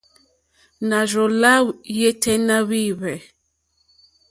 Nà rzô lá yêténá wìhwɛ̂.